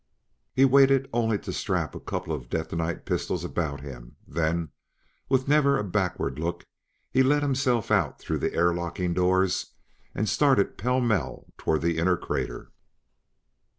He waited only to strap a couple of detonite pistols about him; then, with never a backward look, he let himself out through the air locking doors and started pell mell toward the inner crater.